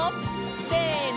せの！